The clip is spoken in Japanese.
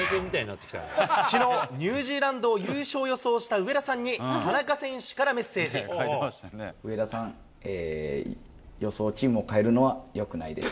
きのう、ニュージーランドを優勝予想した上田さんに、田中選手からメッセ上田さん、予想チームを変えるのはよくないです。